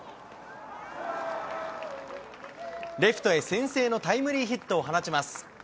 レフトへ先制のタイムリーヒットを放ちます。